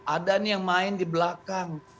ada nih yang main di belakang